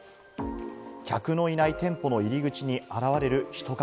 客のいない店舗の入口に現れる人影。